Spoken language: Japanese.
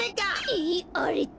えっあれって？